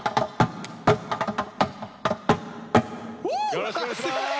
よろしくお願いします。